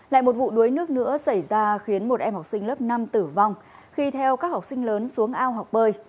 lại một vụ đuối nước nữa xảy ra khiến một em học sinh lớp năm tử vong khi theo các học sinh lớn xuống ao học bơi